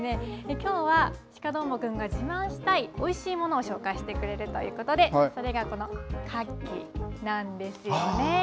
きょうは鹿どーもくんが自慢したいおいしいものを紹介してくれるということでそれがこの柿なんですよね。